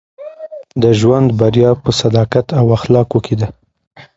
د ژوند بریا په صداقت او اخلاقو کښي ده.